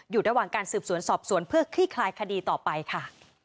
อยู่ระหว่างการสืบสวนสอบสวนเพื่อคลี่คลายคดีต่อไปค่ะ